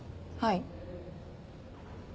はい。